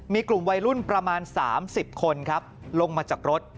มีกลุ่มวัยรุ่นประมาณ๓๐คนครับลงมาจากรถ